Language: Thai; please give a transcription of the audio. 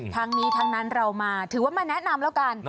ทั้งนี้ทั้งนั้นเรามาถือว่ามาแนะนำแล้วกัน